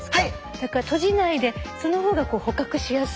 だから閉じないでその方が捕獲しやすいんですか？